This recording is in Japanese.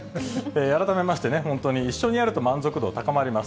改めまして、本当に一緒にやると満足度、高まります。